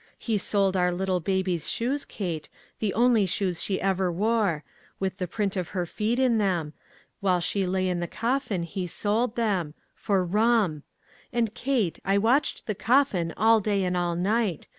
He sold our little baby's shoes, Kate, the only shoes she ever wore ; with the print of her feet in them ; while she lay in the coffin, he sold them — for rum ! And, Kate, I watched the coffin all day and all night.